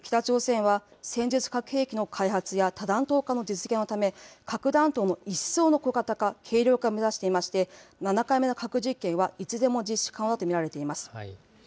北朝鮮は、戦術核兵器の開発や多弾頭化の実現のため、核弾頭の一層の小型化、軽量化を目指していまして、７回目の核実験はいつでも実施可能だと見られています。